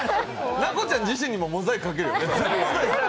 奈子ちゃん自身にもモザイクかける？